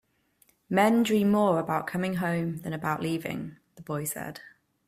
"Men dream more about coming home than about leaving," the boy said.